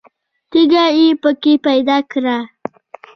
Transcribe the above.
تیږه یې په کې پیدا کړه.